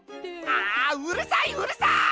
あうるさいうるさい！